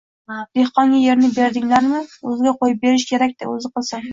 Dehqonga yerni berdinglarmi, o‘ziga qo‘yib berish kerak-da! O‘zi qilsin!